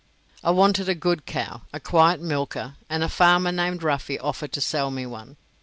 I wanted a good cow, a quiet milker, and a farmer named Ruffy offered to sell me one.